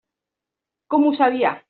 Com ho sabia?